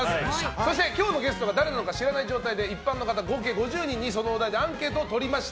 そして、今日のゲストが誰なのか知らない状態で一般の方合計５０人にそのお題でアンケートを取りました。